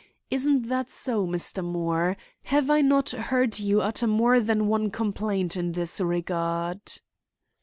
Isn't that so, Mr. Moore? Have I not heard you utter more than one complaint in this regard?"